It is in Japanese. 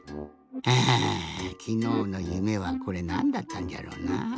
あきのうのゆめはこれなんだったんじゃろうなあ？